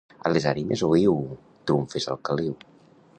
A les ànimes oïu, trumfes al caliu.